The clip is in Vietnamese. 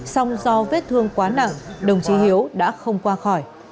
song do vết thương quá nặng đồng chí hiếu đã không qua khỏi